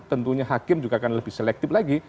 tentunya hakim juga akan lebih selektif lagi